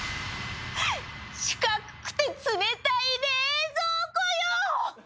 四角くて冷たい冷蔵庫よ！